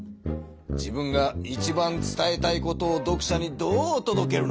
自分がいちばん伝えたいことを読者にどうとどけるのか。